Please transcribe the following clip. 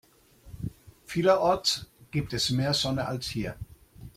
Vielerorts gibt es mehr Sonne als hier.